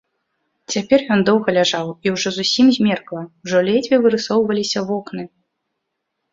Цяпер ён доўга ляжаў, і ўжо зусім змеркла, ужо ледзьве вырысоўваліся вокны.